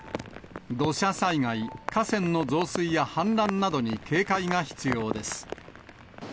土砂災害、河川の増水や氾濫などに警戒が必要です。